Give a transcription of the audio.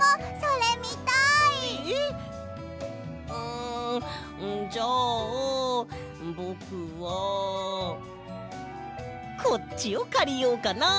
んじゃあぼくはこっちをかりようかな。